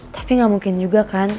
tapi nggak mungkin juga kan